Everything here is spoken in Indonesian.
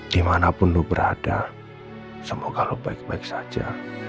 dimanapun lu berada semoga lu baik baik saja